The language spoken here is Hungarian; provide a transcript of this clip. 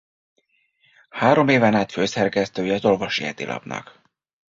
Három éven át főszerkesztője az Orvosi Hetilapnak.